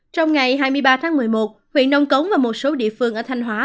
trong ngày hai mươi ba tháng một mươi một huyện nông cống và một số địa phương ở thanh hóa